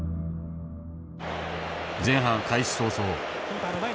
前半開始早々。